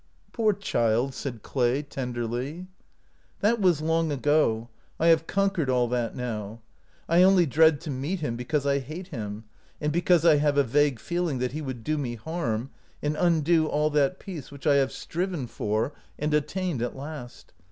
" Poo* child! " said Clay, tenderly. " That was long ago. I have conquered all that now. I only dread to meet him because I hate him, and because I have a vague feeling that he would do me harm and undo all that peace which I have striven for and attained at last.